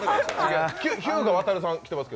日向亘さん、来てます。